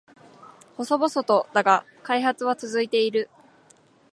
細々とだが開発は続いている